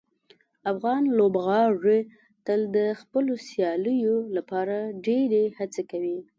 افغان لوبغاړي تل د خپلو سیالیو لپاره ډیرې هڅې کوي.